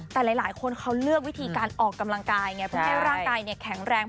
แต่หลายคนเขาเลือกวิธีการออกกำลังกายไงเพื่อให้ร่างกายแข็งแรง